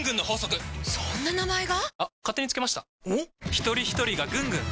ひとりひとりがぐんぐん！